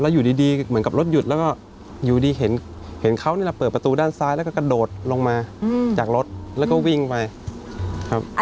อยู่ดีเหมือนกับรถหยุดแล้วก็อยู่ดีเห็นเขานี่แหละเปิดประตูด้านซ้ายแล้วก็กระโดดลงมาจากรถแล้วก็วิ่งไปครับ